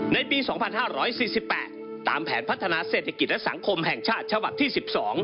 ในปี๒๕๔๘ตามแผนพัฒนาเศรษฐกิจและสังคมแห่งชาติฉบับที่๑๒